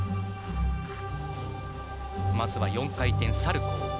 まずは４回転サルコー。